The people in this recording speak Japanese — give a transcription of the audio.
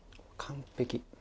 完璧。